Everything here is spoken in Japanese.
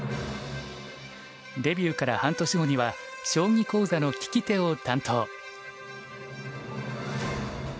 デビューから半年後には将棋講座の聞き手を担当。